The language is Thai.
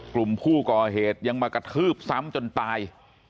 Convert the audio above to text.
กลุ่มผู้ก่อเหตุยังมากระทืบซ้ำจนตาย